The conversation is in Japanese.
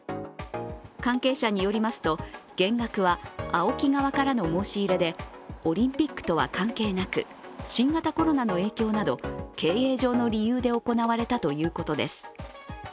関係者によりますと、減額はＡＯＫＩ側からの申し入れでオリンピックとは関係なく新型コロナの影響など経営上の理由で行われたということです。